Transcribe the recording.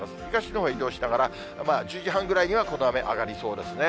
東のほうに移動しながら、１０時半くらいには、この雨、上がりそうですね。